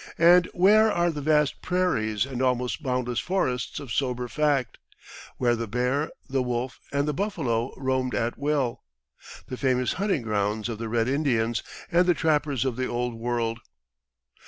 And where are the vast prairies and almost boundless forests of sober fact, where the bear, the wolf, and the buffalo roamed at will the famous hunting grounds of the Red Indians and the trappers of the Old World?